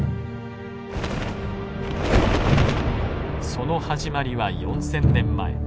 その始まりは４，０００年前。